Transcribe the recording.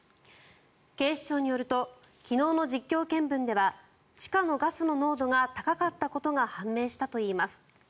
警視庁によると昨日の実況見分では地下のガスの濃度が高かったことが判明したといいます。